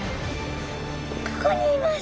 ここにいます。